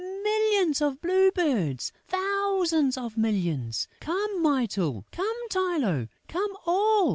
Millions of blue birds!... Thousands of millions!... Come, Mytyl!... Come, Tylô!... Come, all!...